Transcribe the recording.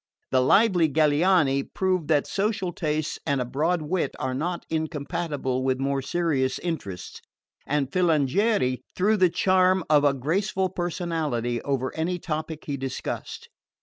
The lively Galiani proved that social tastes and a broad wit are not incompatible with more serious interests; and Filangieri threw the charm of a graceful personality over any topic he discussed.